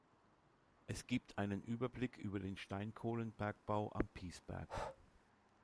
Es gibt einen Überblick über den Steinkohlenbergbau am Piesberg.